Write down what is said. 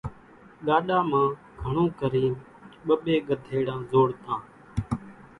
ڳاڏا مان گھڻون ڪرينَ ٻٻيَ ڳڌيڙان زوڙتان۔